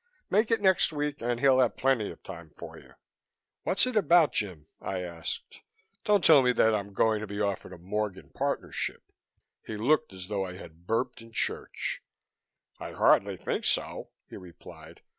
Make it next week and he'll have plenty of time for you." "What's it about, Jim?" I asked. "Don't tell me that I'm going to be offered a Morgan partnership?" He looked as though I had burped in church. "I hardly think so," he replied.